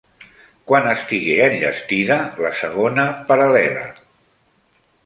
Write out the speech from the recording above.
Quan estigué enllestida la segona paral·lela?